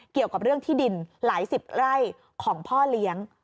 เกี่ยวกับเรื่องที่ดินหลายสิบไร่ของพ่อเลี้ยง